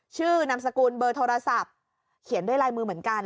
นามสกุลเบอร์โทรศัพท์เขียนด้วยลายมือเหมือนกัน